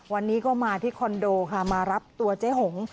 วันนี้ก็มาที่คอนโดค่ะมารับตัวเจ๊หง